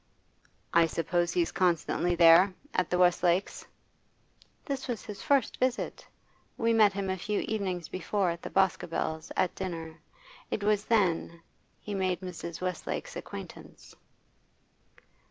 'I suppose he's constantly there at the Westlakes'?' 'That was his first visit. We met him a few evenings before at the Boscobels', at dinner. It was then he made Mrs. Westlake's acquaintance.